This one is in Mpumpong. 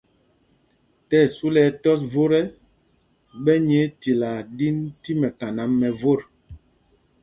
Tí ɛsu lɛ ɛtɔs vot ɛ, ɓɛ nyɛɛ tilaa ɗin tí mɛkaná mɛ vot.